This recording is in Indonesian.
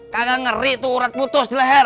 kagak ngeri tuh urat putus di leher